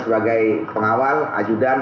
sebagai pengawal ajudan